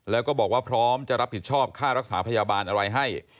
แล้วก็บอกว่าพร้อมจะรับผิดชอบค่ารักษาพยาบาลอะไรให้